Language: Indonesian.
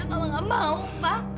mama gak mau pak